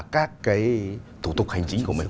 các cái thủ tục hành chính của mình